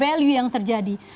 under value yang terjadi